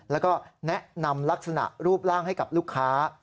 แล้วก็แนะนำลักษณะรูปร่างให้กับลูกค้า